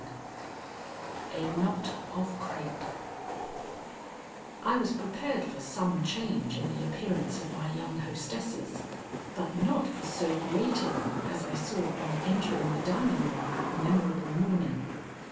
XIX A KNOT OF CRAPE I was prepared for some change in the appearance of my young hostesses, but not for so great a one as I saw on entering the dining room that memorable morning.